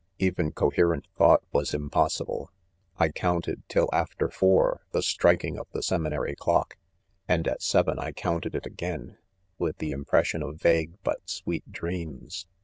Even coherent thought was im possible. I cOiinteditill waiter four, the striking of the seminary clock \ and at seven I counted it ■■■ again, :; with ; l the" impression of vague but sweet' dreams.